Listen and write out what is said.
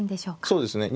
そうですね。